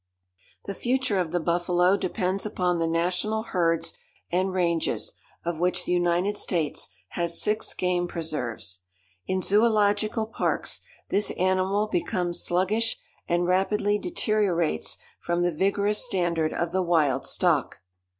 The future of the buffalo depends upon the National herds and ranges, of which the United States has six game preserves. In zoological parks this animal becomes sluggish and rapidly deteriorates from the vigorous standard of the wild stock.